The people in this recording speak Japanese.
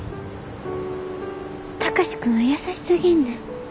貴司君は優しすぎんねん。